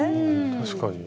確かに。